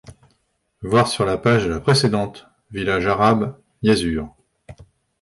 Voir sur la page de la précédente village Arabe, Yazur.